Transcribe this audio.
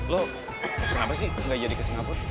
lo kenapa sih gak jadi kesingapun